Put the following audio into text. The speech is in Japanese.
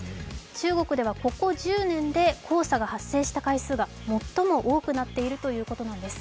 中国ではここ１０年で黄砂が発生した回数が最も多くなっているということなんです。